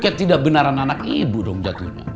ke tidak benaran anak ibu dong jatuhnya